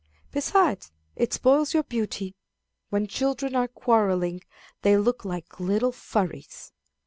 Besides, it spoils your beauty. When children are quarrelling they look like little furies."